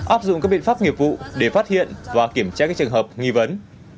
áp dụng các biện pháp nghiệp vụ để phát hiện và kiểm tra các trường hợp nghi vấn